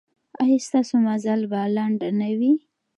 ایا ستاسو مزل به لنډ نه وي؟